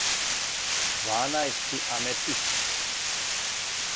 дванаести аметист.